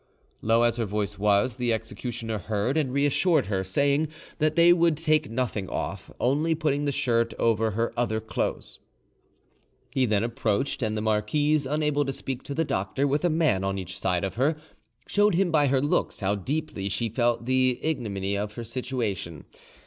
Low as her voice was, the executioner heard, and reassured her, saying that they would take nothing off, only putting the shirt over her other clothes. He then approached, and the marquise, unable to speak to the doctor with a man on each side of her, showed him by her looks how deeply she felt the ignominy of her situation.